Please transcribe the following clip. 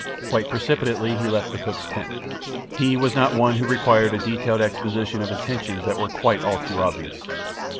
Quite precipitately he left the cook's tent. He was not one who required a detailed exposition of intentions that were quite all too obvious.